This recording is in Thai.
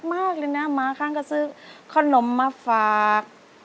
ดีมากเลยนะมาข้างก็ซื้อข้อนมมาฝาก